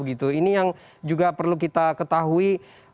ini yang juga perlu kita ketahui